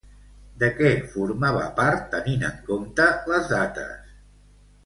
De què formava part, tenint en compte les dates?